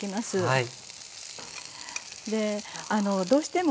はい。